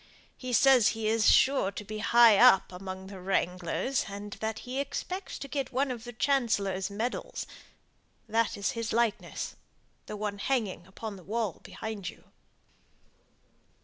He says he is sure to be high up among the wranglers, and that he expects to get one of the Chancellor's medals. That is his likeness the one hanging against the wall behind you."